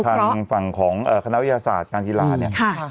ทางฝั่งของคณะวิทยาศาสตร์การกีฬาเนี่ย